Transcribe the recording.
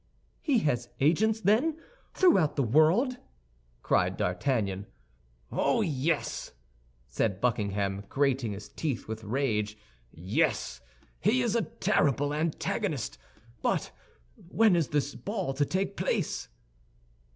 "He has agents, then, throughout the world?" cried D'Artagnan. "Oh, yes," said Buckingham, grating his teeth with rage. "Yes, he is a terrible antagonist. But when is this ball to take place?"